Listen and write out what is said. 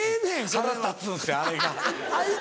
腹立つんですよあれが。